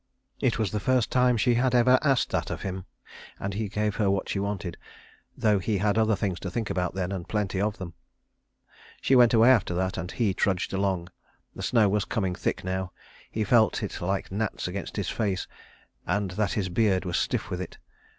It was the first time she had ever asked that of him, and he gave her what she wanted, though he had other things to think about then, and plenty of them. She went away after that, and he trudged along. The snow was coming thick now; he felt it like gnats against his face, and that his beard was stiff with it.